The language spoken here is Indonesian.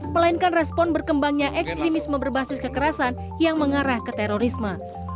melainkan respon berkembangnya ekstremisme berbasis kekerasan yang mengarah ke terorisme